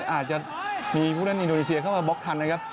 อาจจะมีผู้เล่นอินโดนีเซียเข้ามาบล็อกทันนะครับ